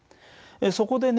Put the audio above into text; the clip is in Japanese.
そこでね